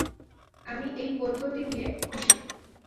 আমি এই পদ্ধতি নিয়ে খুশি।